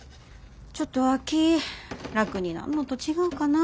ちょっとは気ぃ楽になんのと違うかな。